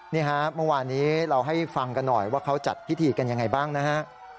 นี่ฮะเมื่อวานนี้เราให้ฟังกันหน่อยว่าเขาจัดพิธีกันยังไงบ้างนะฮะ